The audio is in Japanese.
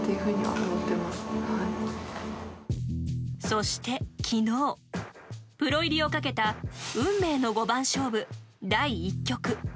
そして、昨日プロ入りをかけた運命の五番勝負第１局。